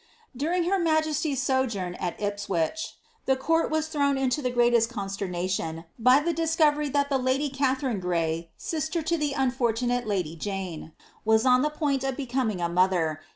* During her nuyesty's aojoura at Ipawioh, the court was thrown into the greatest consiernation by the discovery thai Ihe lady KathniM Gray, sister lo the unforlun.ile lady Jane, was on the pnini of becoming a mmher.